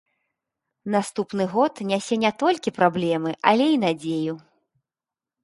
Наступны год нясе не толькі праблемы, але і надзею.